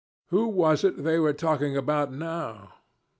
Who was it they were talking about now?